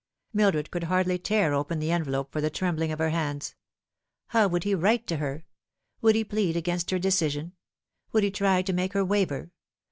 Mildred could hardly tear open the envelope for the trem bling of her hands. How would he write to her ? "Would he plead against her decision ? would he try to make her waver